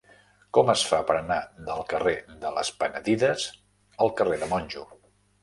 Com es fa per anar del carrer de les Penedides al carrer de Monjo?